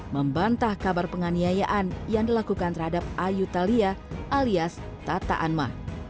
membantah kabar penganiayaan yang dilakukan terhadap ayu thalia alias tata anma